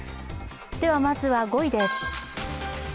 まずは５位です。